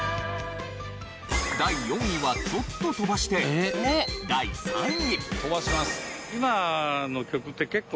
第４位はちょっと飛ばして第３位。